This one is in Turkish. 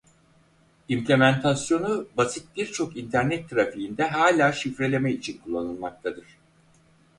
Implementasyonu basit birçok internet trafiğinde hala şifreleme için kullanılmaktadır.